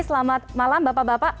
selamat malam bapak bapak